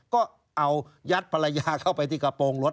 ก็เอายัดภรรยาเข้าไปที่กระโปรงรถ